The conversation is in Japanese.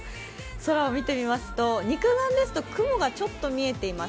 空を見てみますと、雲がちょっと見えています。